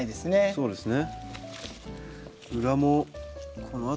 そうですね。